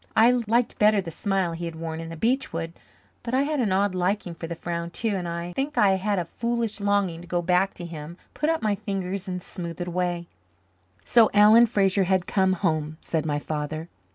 I liked better the smile he had worn in the beech wood, but I had an odd liking for the frown too, and I think I had a foolish longing to go back to him, put up my fingers and smooth it away. "So Alan Fraser has come home," said my father.